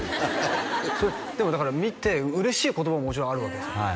それでもだから見て嬉しい言葉ももちろんあるわけですもんね？